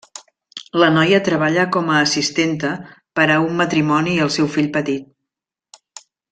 La noia treballa com a assistenta per a un matrimoni i el seu fill petit.